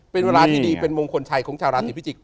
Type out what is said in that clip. เป็นเวลาที่ดีเป็นมงคลชัยของชาวราศีพิจิกษ